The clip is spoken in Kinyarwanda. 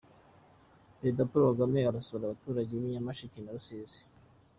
Perezida Paul Kagame arasura abaturage ba Nyamasheke na Rusizi